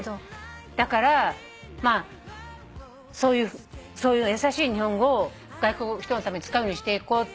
だからそういうやさしい日本語を外国の人のために使うようにしていこうって。